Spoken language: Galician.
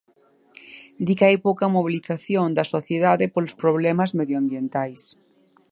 Di que hai pouca mobilización da sociedade polos problemas medioambientais.